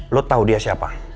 lo tau dia siapa